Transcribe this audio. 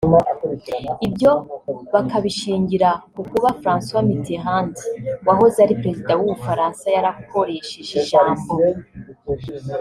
ibyo bakabishingira ku kuba Francois Mitterand wahoze ari Perezida w’u Bufaransa yarakoresheje ijambo